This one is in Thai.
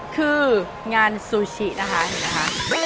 คืองานซูชินะคะเห็นไหมคะ